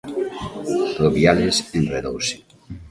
Rubiales enredouse.